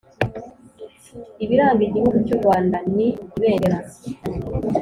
Ibiranga Igihugu cy’u Rwanda ni ibendera,